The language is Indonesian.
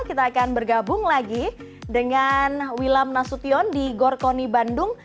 kita akan bergabung lagi dengan wilam nasution di gorkoni bandung